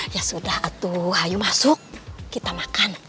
ya sudah atuh hayu masuk kita makan